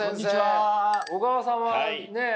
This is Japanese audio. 小川さんはね